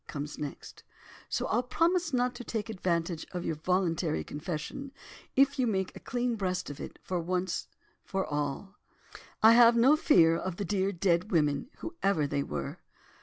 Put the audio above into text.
comes next. So I'll promise not to take advantage of your voluntary confession, if you make a clean breast of it, once for all. I have no fear of the dear, dead women, whoever they were."